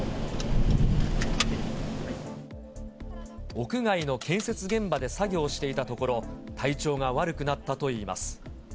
屋外の建設現場で作業していたところ、体調が悪くなったといいます。